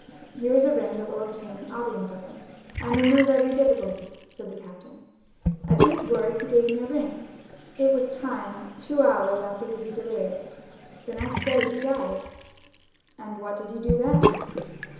"'Here is a ring that will obtain audience of him, and remove every difficulty,' said the captain. At these words he gave me a ring. It was time—two hours after he was delirious; the next day he died." "And what did you do then?"